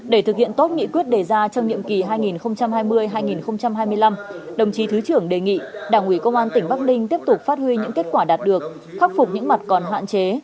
để thực hiện tốt nghị quyết đề ra trong nhiệm kỳ hai nghìn hai mươi hai nghìn hai mươi năm đồng chí thứ trưởng đề nghị đảng ủy công an tỉnh bắc ninh tiếp tục phát huy những kết quả đạt được khắc phục những mặt còn hạn chế